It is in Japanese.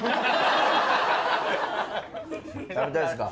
食べたいですか。